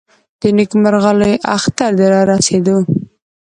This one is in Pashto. د نېکمرغه لوی اختر د رارسېدو .